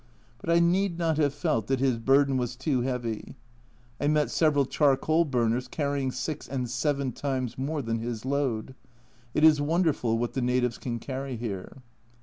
But I need not have felt that his burden was too heavy, I met several charcoal burners carrying six and seven times more than his load. It is wonderful what the natives can carry here.